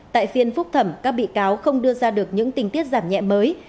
tại phiên phúc thẩm các bị cáo không đưa ra được những tình tiết giảm nhẹ mới